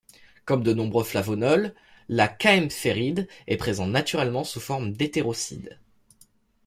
Comme de nombreux flavonols, le kaempféride est présent naturellement sous forme d'hétérosides.